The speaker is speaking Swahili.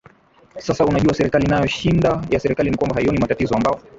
sasa unajua serikali nayo shinda ya serikali ni kwamba haioni matatizo ambao